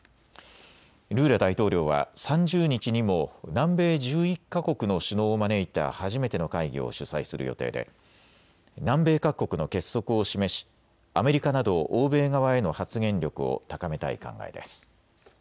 ルーラ大統領は３０日にも南米１１か国の首脳を招いた初めての会議を主催する予定で南米各国の結束を示しアメリカなど欧米側への発言力を高めたい考えです。